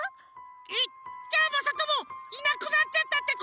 えっじゃあまさともいなくなっちゃったってこと！？